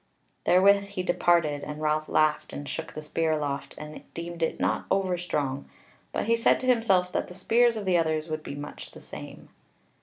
Therewith he departed, and Ralph laughed and shook the spear aloft, and deemed it not over strong; but he said to himself that the spears of the others would be much the same.